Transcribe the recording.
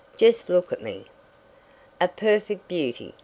Just look at me!" "A perfect beauty!"